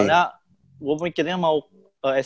nah awalnya gue mikirnya mau sma itu yang paling luas